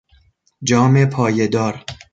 جام پایهدار